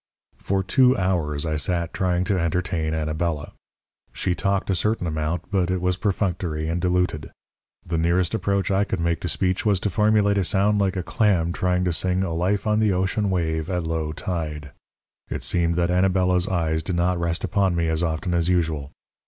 "For two hours I sat trying to entertain Anabela. She talked a certain amount, but it was perfunctory and diluted. The nearest approach I made to speech was to formulate a sound like a clam trying to sing 'A Life on the Ocean Wave' at low tide. It seemed that Anabela's eyes did not rest upon me as often as usual.